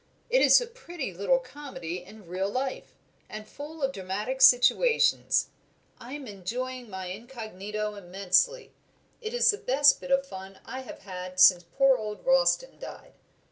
"It is a pretty little comedy in real life, and full of dramatic situations. I am enjoying my incognito immensely; it is the best bit of fun I have had since poor old Ralston died.